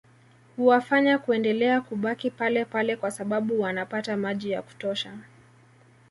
Huwafanya kuendelea kubaki palepale kwa sababu wanapata maji ya kutosha